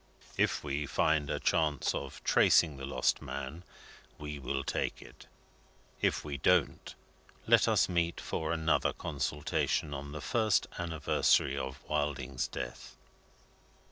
"If we find a chance of tracing the lost man, we will take it. If we don't, let us meet for another consultation on the first anniversary of Wilding's death."